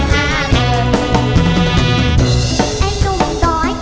มันเติบเติบ